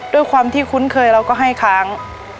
ด้วยความที่คุ้นเคยเราก็ให้ค้าง